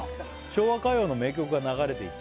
「昭和歌謡の名曲が流れていて」